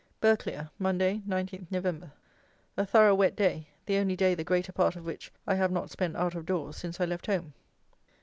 Burghclere, Monday, 19 Nov. A thorough wet day, the only day the greater part of which I have not spent out of doors since I left home.